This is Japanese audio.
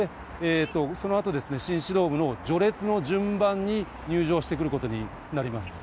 そのあと、新指導部の序列の順番に入場してくることになります。